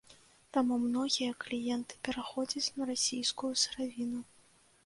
Таму многія кліенты пераходзяць на расійскую сыравіну.